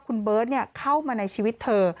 คุณเบิร์ตเข้ามาในชีวิตเธอ